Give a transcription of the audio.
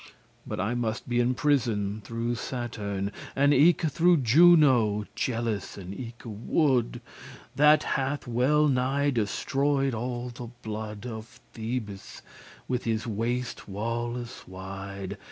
But I must be in prison through Saturn, And eke through Juno, jealous and eke wood*, *mad That hath well nigh destroyed all the blood Of Thebes, with his waste walles wide.